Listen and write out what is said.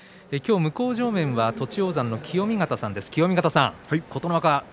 向正面は栃煌山の清見潟さんです。